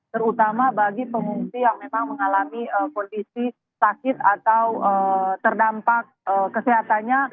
terutama bagi pengungsi yang memang mengalami kondisi sakit atau terdampak kesehatannya